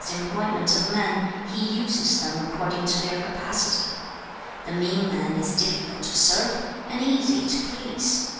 employment of men, he uses them according to their capacity. The mean man is difficult to serve, and easy to please.